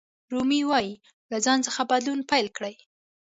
رومي وایي له ځان څخه بدلون پیل کړئ.